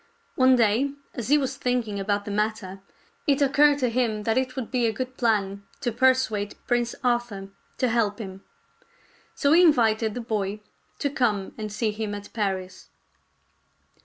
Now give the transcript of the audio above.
One day as he was thinking about the matter, it occurred to him that it would be a good plan to persuade Prince Arthur to help him. So he invited the boy to come and see him at Paris.